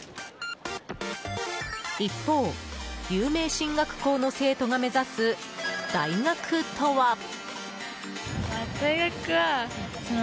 一方、有名進学校の生徒が目指す大学とは？